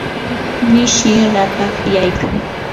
mishii ratakyaykan.